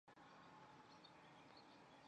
二甲基亚砜是常用的溶剂。